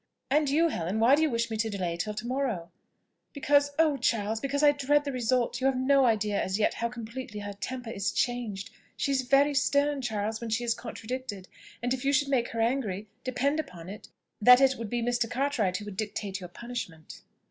"And you, Helen, why do you wish me to delay it till to morrow?" "Because, oh! Charles, because I dread the result. You have no idea as yet how completely her temper is changed. She is very stern, Charles, when she is contradicted; and if you should make her angry, depend upon it that it would be Mr. Cartwright who would dictate your punishment."